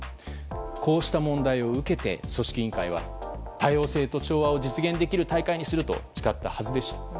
こうした問題を受けて組織委員会は、多様性と調和を実現できる大会にすると誓ったはずでした。